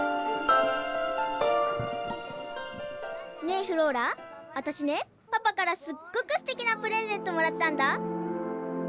ねえフローラあたしねパパからすっごくステキなプレゼントもらったんだ。